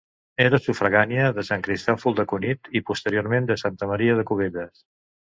Era sufragània de Sant Cristòfol de Cunit i, posteriorment, de Santa Maria de Cubelles.